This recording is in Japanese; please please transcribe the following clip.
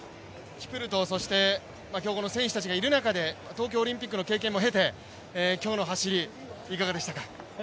キプルト、そして強豪の選手たちがいる中で、東京オリンピックの経験も経て今日の走り、いかがでしたか。